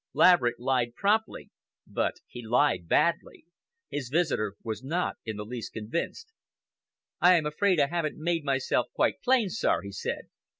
Laverick lied promptly but he lied badly. His visitor was not in the least convinced. "I am afraid I haven't made myself quite plain, sir," he said.